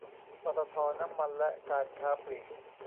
ปตท น้ำมันและการค้าปลีก